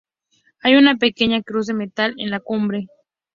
Hay una pequeña cruz de metal en la cumbre.